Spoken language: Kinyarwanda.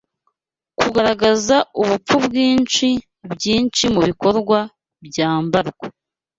Kugaragaza ubupfu bwinshi, Byinshi mubikorwa byambarwa